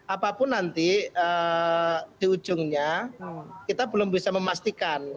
apapun nanti di ujungnya kita belum bisa memastikan